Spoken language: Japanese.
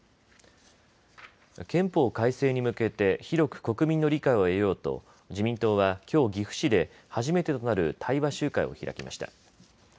憲法改正に向けて広く国民の理解を得ようと自民党はきょう岐阜市で初めてとなる対話集会を開きました。